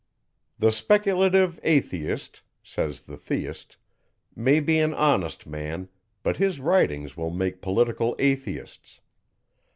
"The speculative Atheist," says the Theist, "may be an honest man, but his writings will make political Atheists.